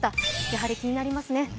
やはり気になりますね。